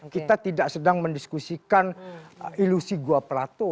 kita tidak sedang mendiskusikan ilusi gua pelato